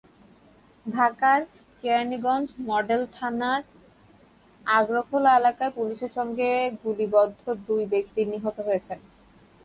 ঢাকার কেরানীগঞ্জ মডেল থানার অগ্রখোলা এলাকায় পুলিশের সঙ্গে গোলাগুলিতে দুই ব্যক্তি নিহত হয়েছেন।